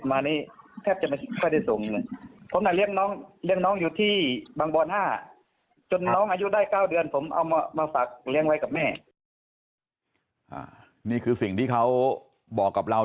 นี่คือสิ่งที่เขาบอกกับเรา